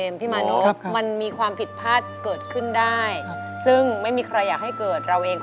ยาใจคนจน